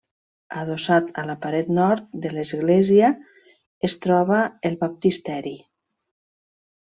Adossat a la paret nord de l'església es troba el baptisteri.